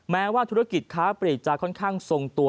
แม้ว่าธุรกิจค้าปลีกจะค่อนข้างทรงตัว